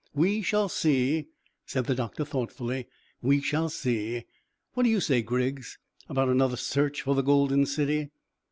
"We shall see," said the doctor thoughtfully; "we shall see. What do you say, Griggs, about another search for the golden city?"